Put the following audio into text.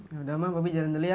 yaudah ma bobby jalan dulu ya